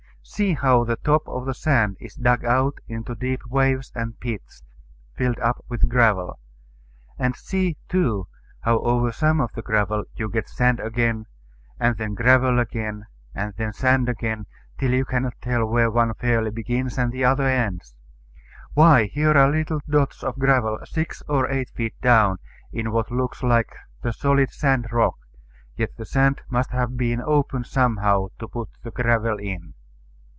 See how the top of the sand is dug out into deep waves and pits, filled up with gravel. And see, too, how over some of the gravel you get sand again, and then gravel again, and then sand again, till you cannot tell where one fairly begins and the other ends. Why, here are little dots of gravel, six or eight feet down, in what looks the solid sand rock, yet the sand must have been opened somehow to put the gravel in.